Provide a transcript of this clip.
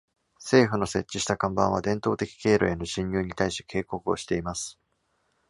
政府の設置した看板は、伝統的経路への侵入に対し警告をしています。